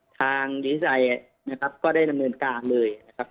ทางดีวิจัยนะครับก็ได้ดำเนินการเลยนะครับ